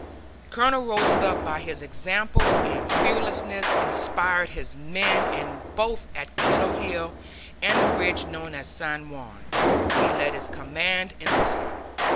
Colonel Roosevelt by his example and fearlessness inspired his men, and both at Kettle Hill and the ridge known as San Juan he led his command in person.